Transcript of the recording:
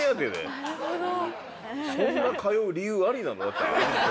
そんな通う理由ありなの？